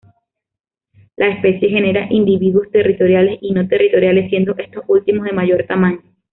La especie genera individuos territoriales y no territoriales, siendo estos últimos de mayor tamaño.